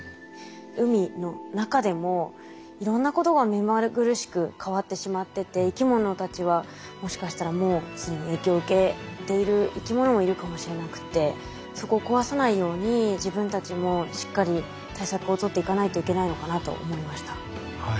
海の中でもいろんなことが目まぐるしく変わってしまってて生き物たちはもしかしたらもう既に影響を受けている生き物もいるかもしれなくてそこを壊さないように自分たちもしっかり対策をとっていかないといけないのかなと思いました。